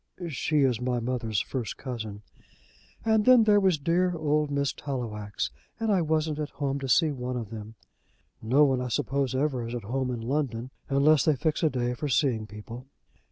"She is my mother's first cousin." "And then there was dear old Miss Tallowax. And I wasn't at home to see one of them." "No one I suppose ever is at home in London unless they fix a day for seeing people."